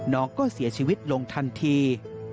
น้องก็เสียชีวิตลงทันที